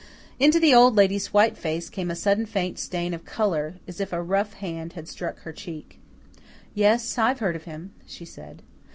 Into the Old Lady's white face came a sudden faint stain of colour, as if a rough hand had struck her cheek. "Yes, I've heard of him," she said.